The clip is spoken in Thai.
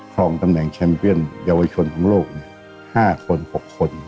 รองตำแหน่งแชมเปียนเยาวชนของโลก๕คน๖คน